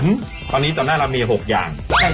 มันชอบพาเลยมะละพักใหญ่เป็นเต้น